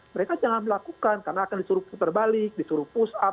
mereka jangan melakukan karena akan disuruh putar balik disuruh push up